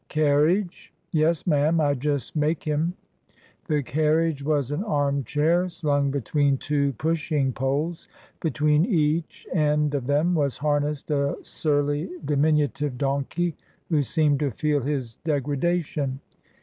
"Carriage?" "Yes, ma'am, I just make him." The carriage was an armchair slung between two pushing poles; between each end of them was harnessed a surly diminutive donkey who seemed to feel his degra dation.